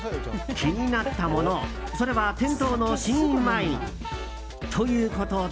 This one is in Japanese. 気になったものそれは店頭の試飲ワイン。ということで。